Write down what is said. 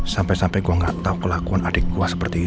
sampai sampai gue gak tau kelakuan adik gue seperti ini